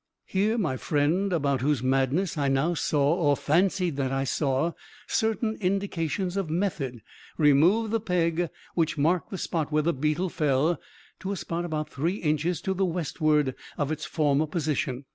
Here my friend, about whose madness I now saw, or fancied that I saw, certain indications of method, removed the peg which marked the spot where the beetle fell, to a spot about three inches to the westward of its former position.